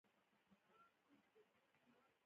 زه د ښاغلي ګلیډستون او بیکنزفیلډ حکومتونو.